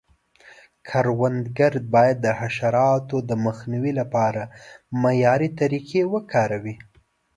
کروندګر باید د حشراتو د مخنیوي لپاره معیاري طریقې وکاروي.